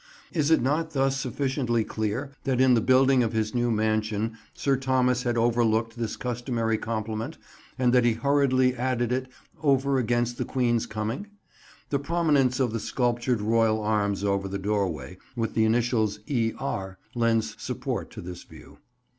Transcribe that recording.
Is it not thus sufficiently clear that in the building of his new mansion Sir Thomas had overlooked this customary compliment and that he hurriedly added it, over against the Queen's coming? The prominence of the sculptured royal arms over the doorway, with the initials "E.R.," lend support to this view.